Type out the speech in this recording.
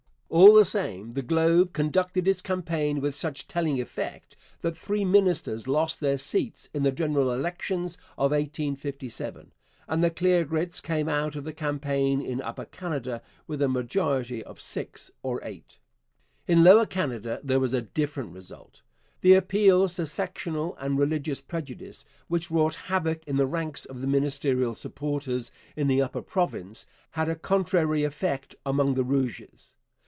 All the same, the Globe conducted its campaign with such telling effect that three ministers lost their seats in the general elections of 1857, and the Clear Grits came out of the campaign in Upper Canada with a majority of six or eight. In Lower Canada there was a different result. The appeals to sectional and religious prejudice, which wrought havoc in the ranks of the ministerial supporters in the upper province, had a contrary effect among the Rouges.